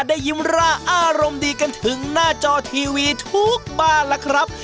ยิ้มร่าอารมณ์ดีกันถึงหน้าจอทีวีทุกบ้านล่ะครับ